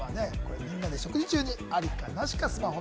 みんなで食事中にありか、なしか。